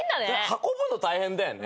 運ぶの大変だよね。